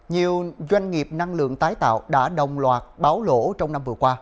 nhiều doanh nghiệp năng lượng tái tạo đã đồng loạt báo lỗ trong năm vừa qua